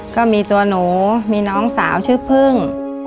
ก็มีตัวหนูมีน้องสาวชื่อพึ่ง